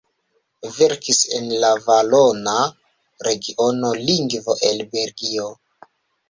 Verkis en la valona, regiona lingvo el Belgio.